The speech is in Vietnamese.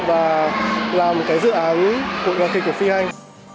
đảm bảo cùng nhạc kịch của phi anh